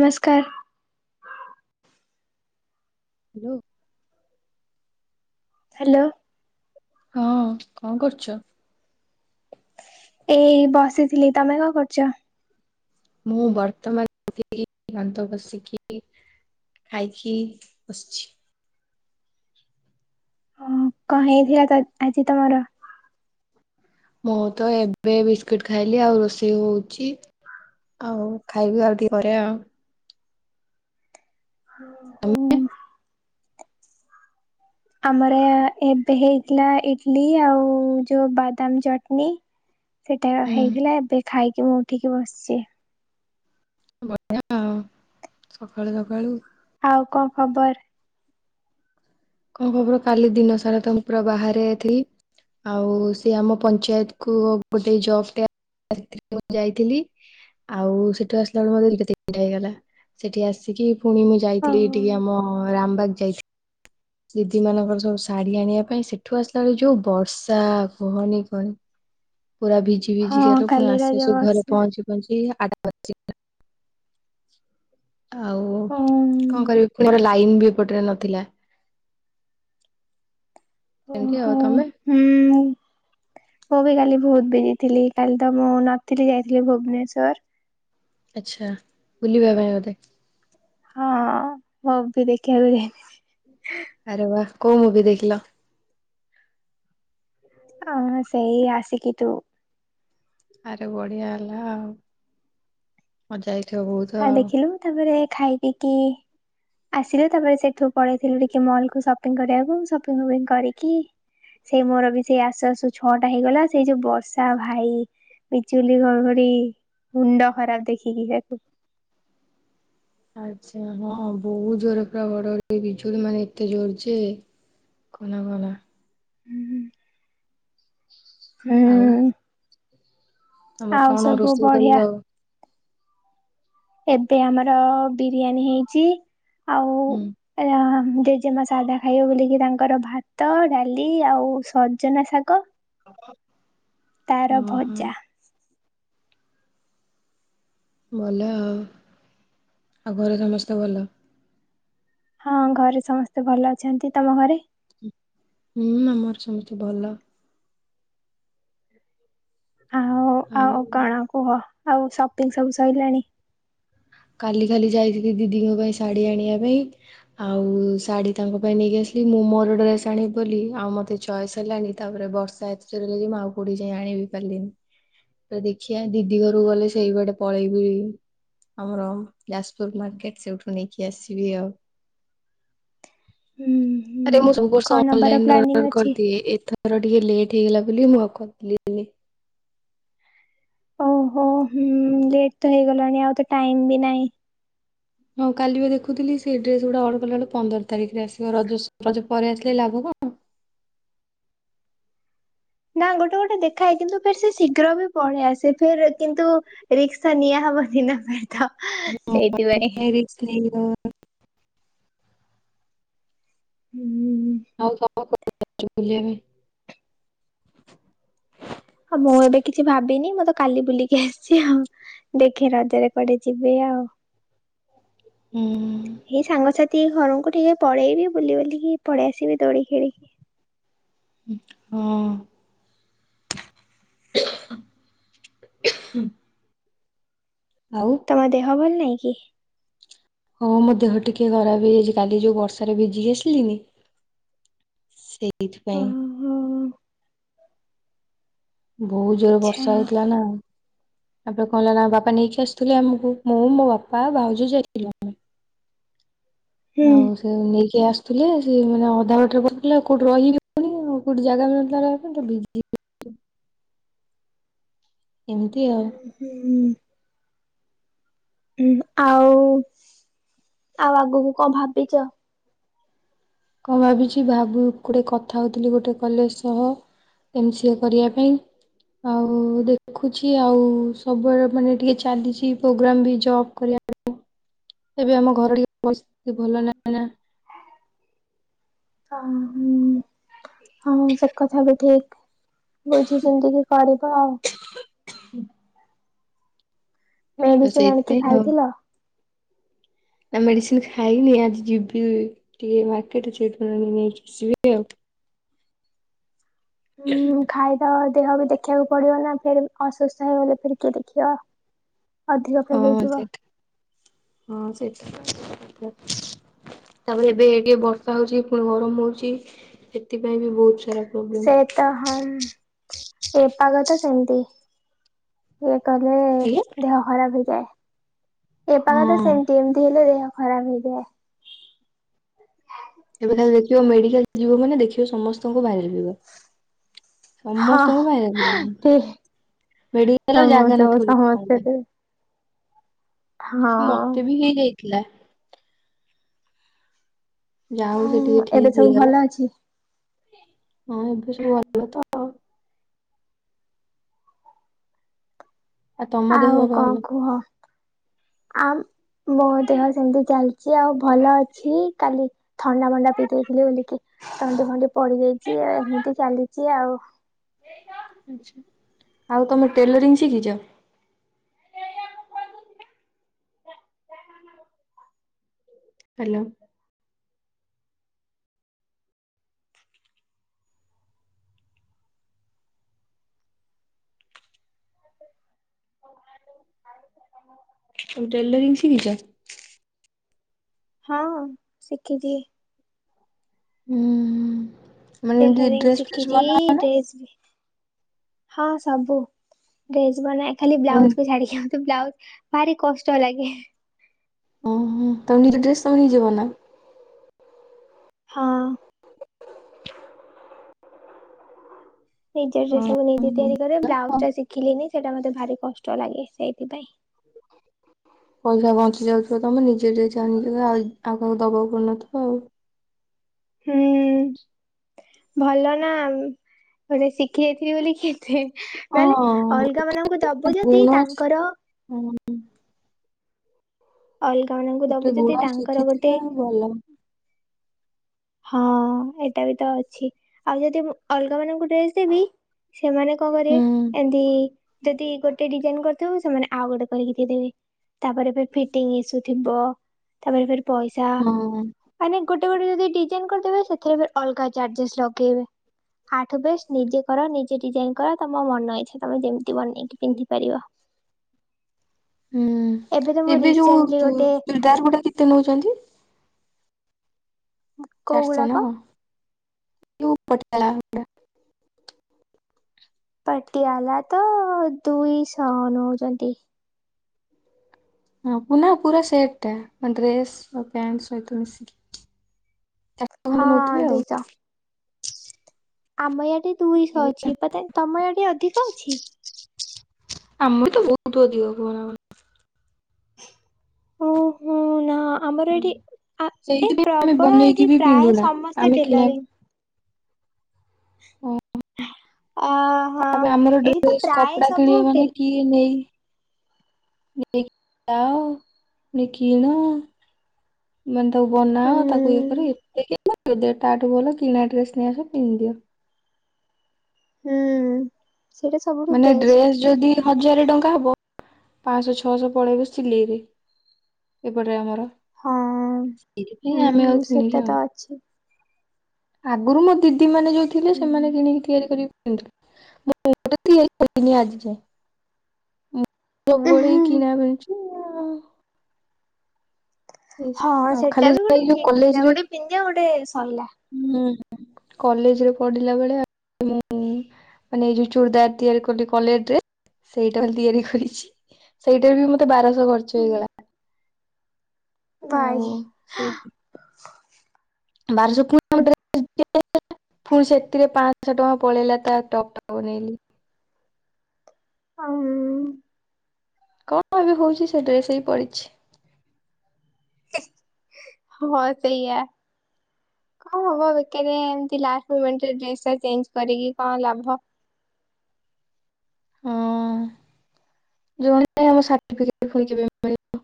ନମସ୍କାର hello- hello ହଁ କଣ କରୁଛ ଏଇ ବସିଥିଲି ତମେ କଣ କରୁଛ ମୁଁ ବର୍ତ୍ତମାନ ଘାନ୍ତ ବଷିକି ଖାଇକି ବସିଛି ହଁ କଣ ହେଇଥିଲା ଆଜି ତମର ମୁଁ ତ ଏବେ ବିସ୍କୁଟ ଖାଇଲି ଆଉ ରୋଷେଇ ହଉଛି ଆଉ ଖାଇବି ଆଉ! ଓ ହୁ ତମେ? ଆମର ଏବେ ହେଇଥିଲା ଇଡଲି ଆଉ ଯୋଉ ବାଦାମ ଚଟନୀ! ସେଇଟା ହୁଁ ହେଇଥିଲା ଏବେ ଖାଇକି ମୁଁ। ଠିକି ବସଛି। ବଢିଆ ଆଉ ସକାଳୁ ସକାଳୁ। ଆଉ କଣ ଖବର। କଣ ଖବର କାଲି ଦିନ ସାରା ତ ମୁଁ ପୁରା ବାହାରେଥିଲି ଆଉ ସେ ଆମ ପଞ୍ଚାୟତକୁୁ ଗୋଟେ ଜବ ଟେ [inaudible] ଯାଇଥିଲି ଆଉ ସେଠୁ ଆସିଲା ବେଳେ ମୋତେ ଦି ଟା ତିନିଟା ହେଇଗଲା ସେଠି ଆସିକି। ପୁଣି ମୁଁ ଯାଇଥିଲି ଟିକେ ଆମ। ରାମବାଗ ଯାଇଥି ଦିଦି ମାନଙ୍କର ସବୁ ଶାଢ଼ୀ ଆଣିବା ପାଇଁ ସେଠୁ ଆସିଲା ବେଳେ ଯୋଉ ବର୍ଷା କୁହନି କୁହନି। ପୁରା ଭିଜି ଭିଜି ହଁ ଗଲୁ ପୁଣି କାଲି ଆସୁ ରାଜ ଆସୁ ଘରେ ବର୍ଷା ପହଞ୍ଚି ପହଞ୍ଚି। ଆଠ ଟା ବାଜିଛି। ଆଉ କଣ ଓହୋ କରିବି [inaudible] ର ଲାଇ ଆଇନ ବି ଏପଟରେ ନଥିଲା। ଏମିତି ଓହୋ ଆଉ ତମେ? ହୁଁ ମୁଁ ବି କାଲି। ବହୁତ ବିଜିଥିଲି କାଲି ତ ମୁଁ ନଥିଲି ଯାଇଥିଲି ଭୁବନେଶ୍ଵର। ଆଚ୍ଛା ବୁଲିିବା ପାଇଁ ବଧେ। ହଁ ମୁଭି ଦେଖିବାକୁ ଯାଇଥିନି। ଆରେ ବା କୋଉ ମୁଭି ଦେଖିଲ। ହଁ ସେଇ ଆସିକି ତୁ। ଆରେ ବଢିଆ ହେଲା ଆଉ ମଜା ହେ ହଁ ଦେଖିଲୁ ତାପରେ ଖାଇ ପିଇକି ଆସିଲୁ ତାପରେ ସେ ଠୁ ପଳେଇ ଥିଲୁ ଟିକେ ମଲ୍ କୁ ସପ୍ ସପିଙ୍ଗ କରିବାକୁ ସପିଙ୍ଗ ଫପିଙ୍ଗ କରିକି ସେଇ ମୋର ବି ସେଇ ଆସୁ ଆସୁ ଛଅ ଟା ହେଇଗଲା ।ସେଇ ଯୋଉ ବର୍ଷା ଭାଇ ବିଜୁଲି ଘଡଘଡି ମୁଣ୍ଡ ଖରାପ ଦେଖିକି ତାକୁ। ଆଚ୍ଛା ହଁ ବହୁତ ଜୋରରେ ପରା ଘଡଘଡି ବିଜୁଳି ମାନେ ଏତେ ଜୋର ଯେ କହନା କହନା। ହୁଁ ହୁଁ। ହୁଁ। ତୋମେ ଆଉ କଣ ସବୁ ରୋଷେଇ ବଢିଆ କରିବ? ଏବେ ଆମର ବିରିୟାନୀ ହେଇଚି। ଆଉ ହୁଁ ଆ, ଜେଜେମା ସାଧା ଖାଇବ ବୋଲିକି ତାଙ୍କ ଙ୍କର ଭାତ ଡାଲି ଆଉ ସଜନା ଶାଗ। ତାର ଓ ହଁ। ଭଜା ଭଲ ଆଉ ଆଉ ଘରେ ସମସ୍ତେ ଭଲ? ହଁ ଘରେ ସମସ୍ତେ ଭଲ ଅଛନ୍ତି। ତୋମ ଘରେ? ହୁଁ ଆମର ସମସ୍ତେ ଭଲ। ଆଉ ଆଉ କଣ କୁହ? ଆଉ ସପିଙ୍ଗ ସବୁ ସଇଲାଣି? କାଲି ଖାଲି ଯାଇଥିଲି ଦିଦିଙ୍କ ପାଇଁ ଶାଢୀ ଆଣିବା ପାଇଁ। ଆଉ ଶାଢୀ ତାଙ୍କ ପାଇଁ ନେଇକି ଆସିଲି ।ମୁଁ ମୋର ଡ୍ରେସ୍ ଆଣିବି ବୋଲି ଆଉ ମୋତେ ଚଏସ୍ ହେଲାଣି, ତାପରେ ବର୍ଷା ଏତେ ଜୋର୍ ହେଲା ଯେ ମୁଁ ଆଉ କୋଉଠିକି ଯାଇ ଆଣିବି ପାରିଲିନି ।ତ ଦେଖିବା ଦିଦି ଘରକୁ ଗଲେ ସେଇ ବାଟେ ପଳେଇବି। ଆମର ଯାଜପୁର ମାର୍କେଟ୍ ସେଇଠୁ ନେଇକି ଆସିବି ଆଉ। ହୁଁ ହୁଁ। ଆରେ ମୁଁ ସବୁ ବର୍ଷ କଣ ନବାର ଅନଲାଇନ୍ ରେ ପ୍ଲାନିଂ ଅର୍ଡର ଅଛି? କରିଦିଏ ।ଏଥ ମୋର ଟିକେ ଲେଟ୍ ହେଇଗଲା ବୋଲି ମୁଁ ଆଉ କଲିନି। ଓହୋ ହୁଁ ଲେଟ୍ ତ ହେଇଗଲାଣି ଆଉ ତ ଟାଇମ୍ ବି ନାହିଁ। ହଁ କାଲି ବା ଦେଖୁଥିଲି ସେ ଡ୍ରେସ୍ ଉଡା ଅର୍ଡର କଲା ବେଳକୁ ପନ୍ଦର ତାରିଖରେ ଆସିବ ରଜ ସ-ରଜ ପରେ ଆସିଲେ ଲାଭ କଣ। ନା ଗୋଟେ ଗୋଟେ ଦେଖାଏ କିନ୍ତୁ ଫେର୍ ସେ ଶୀଘ୍ର ବି ପଳେଇ ଆସେ ଫେର୍ କିନ୍ତୁ ରିକ୍ସା ନିଆ ହବନି ନା ଫେର୍। ତ ସେଇଥିପାଇଁ। ରିକ୍ସ ନେଇ ହୁଁ। ଆଉ [inaudible] ଆଉ ମୁଁ ଏବେ କିଛି ଭାବିନି ମୁଁ ତ କାଲି ବୁଲିକି ଆସିଛି। ଆଉ ଦେଖେ ରଜରେ କୁଆଡେ ଯିବି ଆଉ। ହୁଁ ହେ ସାଙ୍ଗ ସାଥ ଥୀ ଘରଙ୍କୁ ଟିକେ ପଲେଇବି ବୁଲି ବୁଲିକି ପଳେଇ ଆସିବି ଦୋଳି ଖେଳିକି। ହଁ। ହ ତୋମ ଦେହ ଭଲ ନାଇଁ? ହି ହଁ ମୋ ଦେହ ଟିକେ ଖରାପ ହେଇଯାଇଚି। କାଲି ଯୋଉ ବର୍ଷାରେ ଭିଜିକି ଆସିଲିନି ସେ ଏଇଥିପାଇଁ ଓହୋ ଆଚ୍ଛା ବହୁତ ଜୋରରେ ବର୍ଷା ହଉଥିଲା ନା। ତାପରେ କଣ ହେଲା ନା ବାପା ନେଇକି ଆସିଥିଲେ ଆମକୁ। ମୁଁ ମୋ ବାପା ଭାଉଜ ଯାଇଥିଲୁ। ହୁଁ ଆଉ ସେ ନେଇକି ସିଏ ଆସୁଥିଲେ ସେ ମାନେ ଅଧା ବାଟରେ ପଥିଲେ ଆଉ କୋଉଠି ରହିବି ହଉଣି ଆ କୋଉଠି ଜାଗା ବି ନଥିଲା ବ [inaudible] ଏମ ହୁଁ। ହୁଁ ଆଉ [inaudible] ଆଉ ଆଗକୁ କଣ ଭାବିଛ। କଣ ଭାବିଛି ଭାବୁଚି ଗୋଟେ କଥା ହଉଥିଲି ଗୋଟେ କଲେଜ ସହ ଏମ ସି ଏ କରିବା ପାଇଁ। ଆଉ ଦେଖୁଛି ଆଉ ସବୁବେଳେ ମାନେ ଟିକେ ଚାଲିଛି। ପ୍ରୋଗ୍ରାମ ବି ଜବ କରିବା ପାଇଁ ଏବେ ଆମ ଘର ଟ ପରିସ୍ଥିତି ଭଲ ନାହିଁ ନା। ଉଁ ହୁଁ । ହଁ ସେ କଥା ବି ଠିକ। ବୁଝି ଯେମିତି କିି କରିବା ଆଉ। [inaudible] ତ ମେଡିସିନ ଆଣିକି ସେଇଥିପାଇଁ ଆଉ ଖାଇଥିଲ। ନା ମେଡିସିନ ଖାଇନି ଆଜି ଯିବି ଟିକେ ମାର୍କେଟ ନେଇ ଯିବି ଆଉ [unintelligible] ହୁଁ ଖାଇବା ଦେହ ବି ଦେଖିବାକୁ ପଡିବ ନା ଫେର ଅସୁସ୍ଥ ହେଇଗଲେ ଫେର କିଏ ଦେଖିବ। ଅଧିକ ଫେର ହଁ ହେଇଯିବ ସେଟା [inaudible] ହଁ ସେଟା [inaudible] ତାପରେ ଏବେ ଟିକେ ବର୍ଷା ହଉଛି ପୁଣି ଗରମ ହଉଛି ସେଥିପାଇଁ ବି ବହୁତ ସାରା ପ୍ରୋବ୍ଲେମ ସେତ ହଁ। ଏପାଗ ତ ସେମିତି। କଲେ ଆଜ୍ଞା ଦେହ ଖରାପ ହେଇଯାଏ। ଏପାଖ ତ ହଁ ସେମତି ଏମିତି ହେଲେ ଖରାପ ହେଇଯାଏ। [inaudible] ଯୋଉ ସମସ୍ତଙ୍କୁ ଭାଇ ହୁଁ [inaudible] ହଁ ସମସ୍ତଙ୍କୁ ଭାଇରାଲ ଠିକ [inaudible] ମେଡିକାଲ୍ ଜାଗା ସମସ୍ତଙ୍କୁ ନଥିବ ଲୋକଙ୍କ ପାଇଁ। ସମସ୍ତେ ହଁ ମତେ ବି ହେଇଯାଇ ଥିଲା ଯା ହଉ ଆଉ ସେ ଟିକେ ଏବେ ଠିକ ସବୁ ଭଲ ହେଇଗଲା। ଅଛି? ହଁ ଏବେ ସବୁ ଭଲ ତ ଆଉ । ତମ ଦେହ ଆଉ ଭଲ? କଣ କୁହ। ଆମ ବଉ ଦେହ ସେମିତି ଚାଲି ଆଉ ଭଲ ଅଛି କାଲି ଥଣ୍ଡା ମଣ୍ଡା ପିଇ ଦେଇଥିଲି। ବୋଲିକି ଥଣ୍ଡି ଫଣ୍ଡି ପଡିଯାଇଚି ଆଉ ଏମିତି ଚାଲିଚି ଆଉ। [inaudible] ଆଉ ତମେ ଟେଲରିଂ ଶିଖିଛ। [inaudible] ହାଲୋ। [inaudible] ତମେ ଟେଲରିଂ ଶିଖିଚ। ହଁ ଶିଖିଚି। ଉଁ ହୁଁ। ମାନେ ଏମିତି ଟେଲରିଙ୍ଗ ଡ୍ରେସ୍ ଫ୍ରେସ୍ ଶିଖିଛି ବନାଅ ଡ୍ରେସ୍ ବି ହଁ ସବୁ ଡ୍ରେସ ମାନେ ଖାଲି ବ୍ଲାଉଜୁକୁ ଛାଢ଼ିକି ବ୍ଲାଉଜ୍ ଭାରି କଷ୍ଟ ଲାଗେ। ଓ ହୋ ତମେ ନିଜ ଡ୍ରେସ ତମେ ନିଜେ ବଞ୍ଚାଅ। ହଁ। ନିଜ ହଁ ଡ୍ରେସକୁୁ ନିଜେ ତିଆରି କରେ ବ୍ଲାଉଜ ଟା ଶିଖିଲିଣିି। ସେଇଟା ମତେ ଭାରି କଷ୍ଟ ଲାଗେ ସେଇଥିପାଇଁ ପଇସା ବଞ୍ଚି ଯାଉଥିବ ତମେ ନିଜେ ଡ୍ରେସ୍ ଆଣିକିନା ଆଉ କାଖାକୁ ଦବାକୁ ପଡୁନଥିବ ଆଉ। ହୁଁ ଭଲ ନା ଗୋଟେ ଶିଖି ଯାଇଥିଲି ବୋଲି କିତେ ମାନେ ହଁ। ଅଲଗା ମାନଙ୍କୁ ଦବୁ ଯଦି ଗୁଣ ହଁ ତାଙ୍କର [inaudible] ଅଲଗା ମାନଙ୍କୁ ଗୋଟେ ଦବୁ ଯଦି ଗୁଣ ତାଙ୍କର ଗୋଟେ ଶିଖିଥିବା ଭଲ। ହଁ ଏଇଟା ବି ତ ଅଛି ଆଉ ଯଦି ଅଲଗା ମାନଙ୍କୁ ଡ୍ରେସ ଦେବି ସେମାନେ କଣ କରେ ହୁଁ ଏମତି ଯଦି ଗୋଟେ ଡିଜାଇନ କରିଥିବ ସେମାନେ ଆଉ ଗୋଟେ କରିକି ଦେଇଦବେ ତାପରେ ଫିଟିଙ୍ଗ ଇସୁ ଥିବ ତାପରେ ଫେରେ ପଇସା ହଁ। ମାନେ ଗୋ [unintelligible] ଡିଜାଇନ କରିଦେବେ ସେଥିରେ ଅଲଗା ଚାର୍ଜଜେସ ଲଗେଇବେ ତାଠୁ ବେଷ୍ଟ ନିଜେ କର ନିଜେ ଡିଜାଇ କର ତମ ମନ ଇଛା ଯେମତି ବନେଇକି ପିନ୍ଧି ପାରିବ ହୁଁ ତ ମୁଁ ଏବେ ଯୋଉ ରିସେଣ୍ଟଲି ଗୋଟେ ଚୁର୍ଡରଦାର ଗୁଟା କେତେ ନଉଛନ୍ତି କୋଉ ଚାରିଶହ ନା ଗୁଡାକ କଣ ଟୁ ପଟା ପାଟିଆ ହେଲା ତ ଦୁଇଶହ ନଉଛନ୍ତି ହ ପୁନା ପୁରା ସେଟ ଟା ଡ୍ରେସ୍ ପ୍ୟାଣ୍ଟ ସହିତ ମିଶିକି ଚାରିଶହ ହଁ ଖଣ୍ଡେ ନଉଥିବେ ଆଉ। ଦେଇଛ ଆମ ଇଆଡେ ଦୁଇଶହ ଅଛି ଏଇଆ ତମ ଏ ଟିକେ ଅଧିକ ଅଛି ଆମେ ତ ବହୁତ ଅଧିକ ଭନା ଓ ହୋ ନା ଆମର ଏଠି ଏ ସେଇଥିପାଇଁ ଆମେ ପ୍ରବଳ ବନେଇକି ଏଠି ବି ପ୍ରାୟ ପିନ୍ଧୁନା ସମସ୍ତେ ଆମେ କିଣା ଟେଲରିଂ ହଁ ଅ ହଁ। ତାପରେ ଆମର ଏଠି ତ ଡ୍ରେସ ପ୍ରାୟ କପଡା କିଣିବା ସବୁ ମାନେ ଟେଲ କିଏ ନେଇ ନି କିଣ ମ ତାକୁ ହୁଁ ବନାଅ ତାକୁ ଇଏ କର ଏତେ ଦେ ଟାଟୁ ଭଲ କିଣା ଡ୍ରେସ ନେଇଆ ଆସ ପିନ୍ଧିଦିଅ ହୁଁ ସେଇଟା ସବୁଠୁ ମାନେ ବେଷ୍ଟ ଡ୍ରେସ୍ ଯଦି ହଜାରେ ଟଙ୍କା ହବ ପାଁଶ ଛଅଶ ପଳେଇବ ସିଲେଇରେ ଏପଟେ ଆମର। ହଁ ସେଇଥିପାଇଁ ଆମେ ହୁଁ ଆଉ ସେଟା କିଣିକି ଆଣୁ ତ ଅଛି। ଆଗୁରୁ ମୋ ଦିଦି ମାନେ ଯୋଉ ଥିଲେ ସେମାନେ କିଣିକି ତିଆରି କରି କିନ୍ତୁ ମୁଁ [unintelligible] ଆଜିଠୁ। ସବୁବେଳେ ଏଇ ହୁଁ। କିଣା ମିଳୁଚି। ହଁ। ହଁ ଆଉ ସେଟା ଖାଲି ବି ଗୋଟେ ଯାଇ ଯୋଉ ଠିକ୍ ଥିଲା କଲେଜରେ ଗୋଟେ ପିନ୍ଧିବା ଗୋଟେ ସରଲା। ହୁଁ କଲେଜରେ ପଢ଼ିଲା ବେଳେ ମୁଁ ମାନେ ଏଇ ଯୋଉ ଚୁଡ଼ଦାର ତିଆରି କଲି କଲେ ଡ୍ରେ ସେଇଟା ତିଆରି କରିଚି ସେଇଟା ବି ମତେ ବାର ଖର୍ଚ୍ଚ ହେଇଗଲା। ଆଉ ଗାଇଁ ବାରଶକୁ [inaudible] [inaudible] ଫୁଣି ସେତିରେ ପାଁ ଶ ଟଆଁ ପଳେଇଲା ତା ଟପ୍ ଟା ବନେଇଲିି। ଆ ମୁଁ କ ଏବେ ହୋଉଚି ସେ ଡ୍ରେସ ବି ପଡି଼ଚି। [inaudible] ହଁ ସେଇଆ କଁ ହବ ବେକରିଆ ଏମତି ଲାଷ୍ଟ ମୋମେଣ୍ଟ ଡ୍ରେସ୍ ଟା ଚେଞ୍ଜ କରିକି କଁ ଲାଭ। ହଁ ଜଣା ନାହିଁ ଆମ ସାଠିପିକେଟ୍ ଫୁଣି କେବେ ମିଳିବ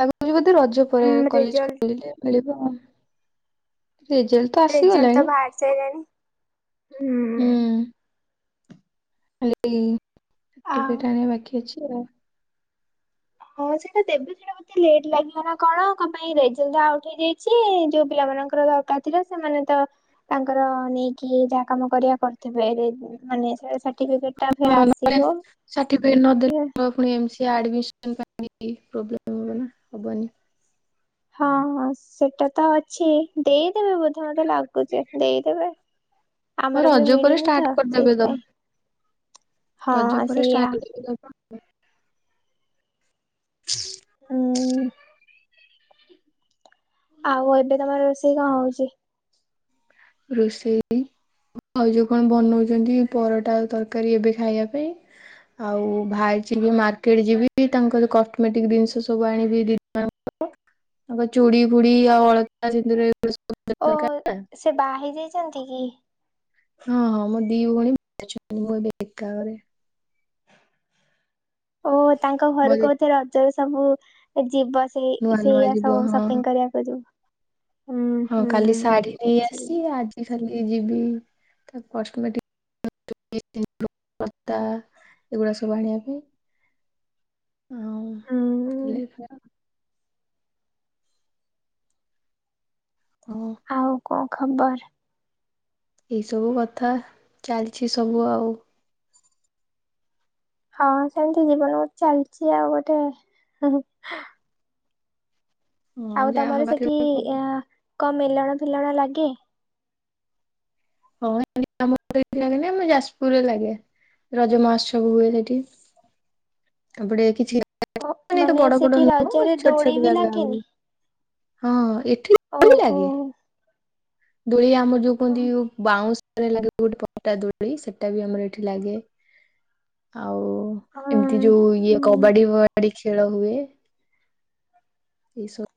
ଲାଗୁଚି ବୋ ତ ରଜ ପରେ ହୁଁ କଲେଜ ରେଜଲ୍ଟ ଖୋଲିଲେ ମିଳି ର ଆ ରଜଲ୍ ତ ଭାରି ସାଇଲାଣି ଉଁ। ହାଲି ଆ ହାଠିପିକେଟ୍ ଆଣିବା ବାକି ଅଛି। [unintelligible] ହଁ ସେଟା ଦେବେ ସେଇଟା ବୋଧେ ଲେଟ୍ ଲାଗିବ ନାଁ କଣ କ ପାଇଁ ରେଜଲ ତ ଆଉଟ୍ ହେଇ ଯାଇଚି ଯୋଉ ପିଲାମାନଙ୍କର ଦରକାର ଥିଲା ସେମାନେ ତ ତାଙ୍କର ନେଇକି ଯାହା କାମ କରିବା କରିଥିବେ ଏ ମାନେ ସେଟା ସା ହଁ [unintelligible] ସାଟିଫିକେଟ ନ ଦେଲେ ପୁଣି ଏମ୍ ସିଏ ଆଡ଼ମି [unintelligible] ପ୍ରୋବଲେମ୍ [unintelligible] ହବନି। ହଁ ହଁ ସେଟା ତ ଅଛି ଦେ ତମେ ବୋଧେ ମତେ ଲାଗୁଚି ଦେଇଦେବେ ହଁ ଆମର ବି ରଜ ପରେ ମିଳିନି ଷ୍ଟାର୍ଟ ତ କରିଦେବେ ତ ସେଇଥିପାଇଁ ହଁ ସେଇଆ। ଉଁ ହଁ [unintelligible] ହଁ। ଆଉ ଏବେ ତମର ରୋଷେଇ କଣ ହଉଚି? ରୋଷେଇ ଭାଉଜ କଣ ବନଉଚନ୍ତି ପରଟା ଆଳୁ ତରକାରୀ ଏବେ ଖାଇବା ପାଇଁ ଆଉ ଭାଇଚି ମାର୍କେଟ ଯିବି ତାଙ୍କ ଯୋ କଷ୍ଟମେଟିକ ଦିନଷ ସବୁ ଆଣିବି ଦି [unintelligible] ଙ୍କର ତାଙ୍କ ଚୁଡ଼ି ଫୁଡି଼ ଆଉ ଅଳତା ସିନ୍ଦୁର ଏଗୁଡା ସବୁ ଓ ଦରକାର। ସେ ବା ହେଇଯାଇ ଛନ୍ତି କି। ହଁ ହଁ ମୋ ଦି ଭଉଣୀଛନ୍ତି ମୁଁ ଏବେ ବାରେ ଓ ତାଙ୍କ ଘର ମୋର କୋଉଥିରେ ରଜ ସବୁ ଯିବ। ନୂଆ ସେଇ ନୂଆ ସେଇଆ ଯିବ ସବୁ ହଁ। ସପିଙ୍ଗ କରିବାକୁ ଯଉ ହଁ କାଲି ଶାଢୀ ନେଇ ବୁଝିଲି। ଆସି ଆଜି ଖାଲି ଯିବି ତାଷ୍ଟ [unintelligible] ଏଗୁଡା ସବୁ ଆଣିବା ପାଇଁ ହଁ ହୁଁ [unintelligible] ଓଉ। ଆଉ କଣ ଖବର। ଏଇ ସବୁ କଥା ଚାଲିଛି ସବୁ ଆଉ। ହଁ ସେମିତି ଜୀବନ ବହୁତ ଚାଲିଛି ଆଉ ଗୋଟେ ଆ ହଁ ଆଉ ଯାହା ତମର ହବାର ସେଠି ହବ। ଏ କଣ ମିଲଣ ଫିଲଣ ଲାଗେ। ହଁ [unintelligible] ଆମ ଯାଜପୁରରେ ଲାଗେ ରଜ ମହୋତ୍ସବ ହୁଏ ସେଠି ତାପଟେ କିଛି ଓ ଏତେ ମାନେ ବଡ ବଡ ସେଠି ନୁହଁ ବା ରଜରେ ଛୋଟ ଛୋଟ ଦୋଳୀ ବି ଜାଗା ଆହୁରି ଲାଗେନି। ହଁ [inaudible] [unintelligible] ଓହୋ। ଲାଗେ ଦୁଳିଆ ଆମର ଯୋଉ କହନ୍ତି ହଁ ବାଉଁଶ ଗୋଟେ ପଟା ଦୋଳି ସେଟା ବି ଆମର ଏଠି ଲାଗେ ଆଉ ହଁ ଏମିତି ଯୋଉ ଇଏ ହୁଁ। କବାଡିଖବାଡି ଖେଳ ହୁଏ । ଏଇସବୁ